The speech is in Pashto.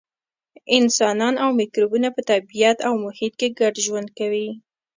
انسانان او مکروبونه په طبیعت او محیط کې ګډ ژوند کوي.